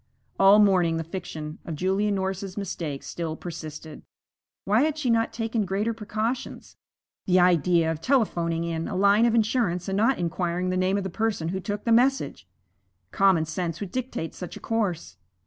All morning the fiction of Julia Norris's mistake still persisted. Why had she not taken greater precautions? The idea of telephoning in a line of insurance and not inquiring the name of the person who took the message! Common sense would dictate such a course.